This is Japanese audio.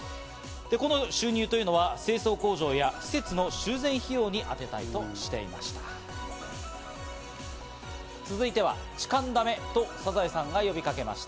この収入というのは清掃工場や施設の修繕費用に充てたいとしています。